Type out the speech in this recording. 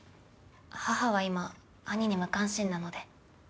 母は今兄に無関心なので。